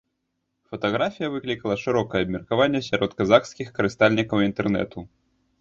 Фатаграфія выклікала шырокае абмеркаванне сярод казахскіх карыстальнікаў інтэрнэту.